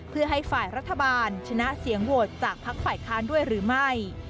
เพื่อให้ฝ่ายรัฐบาลชนะเสียงโหวตจากพักฝ่ายค้านด้วยหรือไม่